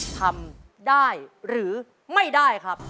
ทำได้หรือไม่ได้ครับ